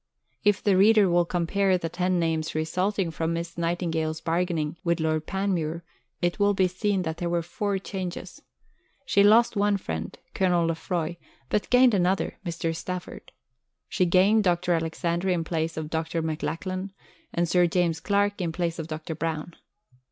If the reader will compare the ten names resulting from Miss Nightingale's bargaining with Lord Panmure, it will be seen that there were four changes. She lost one friend, Colonel Lefroy, but gained another, Mr. Stafford. She gained Dr. Alexander in place of Dr. McLachlan, and Sir James Clark in place of Dr. Brown.